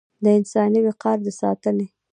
د انساني وقار د ساتنې